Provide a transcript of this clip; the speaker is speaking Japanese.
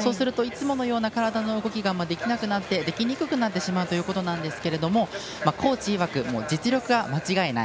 そうするといつものような体の動きができにくくなってしまうということなんですけれどもコーチいわく、実力は間違いない。